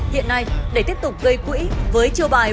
hiện nay để tiếp tục gây quỹ